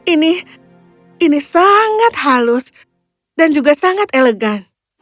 ini ini sangat halus dan juga sangat elegan